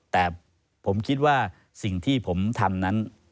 แต่ผมคิดว่าสิ่งที่ผมทำนั้น